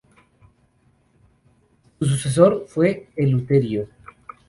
Su sucesor fue Eleuterio.